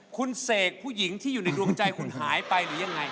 คุณเสกผู้หญิงที่อยู่ในดวงใจคุณหายไปหรือยังไง